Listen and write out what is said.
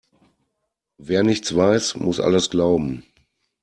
Wer nichts weiß, muss alles glauben.